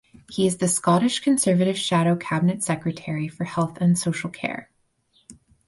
He is the Scottish Conservative Shadow Cabinet Secretary for Health and Social Care.